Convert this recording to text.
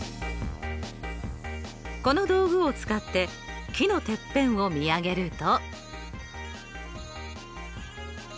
この道具を使って木のてっぺんを見上げると。